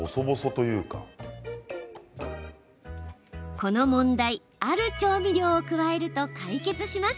この問題、ある調味料を加えると解決します。